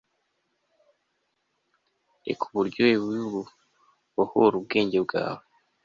reka uburyohe bubi bubohore ubwenge bwawe